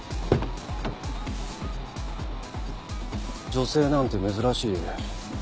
女性なんて珍しい。